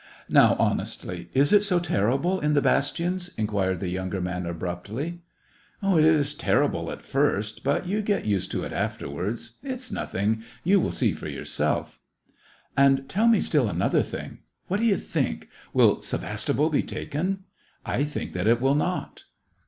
Now, honestly, is it so terrible in the bas tions }" inquired the younger man, abruptly. " It is terrible at first, but you get used to it 146 SEVASTOPOL IN AUGUST. afterwards. It's nothing. You will see for your self." "And tell me still another thing. What do you think.? — will Sevastopol betaken.? I think that it will not."